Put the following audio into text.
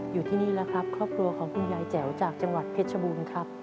อยู่ที่นี่แล้วครับครอบครัวของคุณยายแจ๋วจากจังหวัดเพชรบูรณ์ครับ